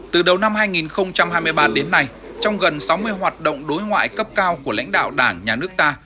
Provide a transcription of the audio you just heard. từ đầu năm hai nghìn hai mươi ba đến nay trong gần sáu mươi hoạt động đối ngoại cấp cao của lãnh đạo đảng nhà nước ta